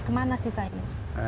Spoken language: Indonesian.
kemana sih say